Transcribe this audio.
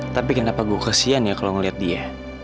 tapi kenapa gue kesian ya kalo ngeliat dia